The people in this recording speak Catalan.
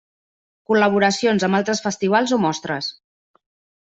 Col·laboracions amb altres festivals o mostres.